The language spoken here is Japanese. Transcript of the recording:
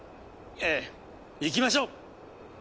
ええ行きましょう！